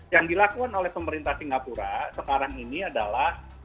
yang dilakukan oleh pemerintah singapura sekarang ini adalah